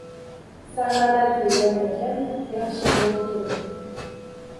Sag‘al lat yegan ekan, yaxshi bo‘p ketibdi.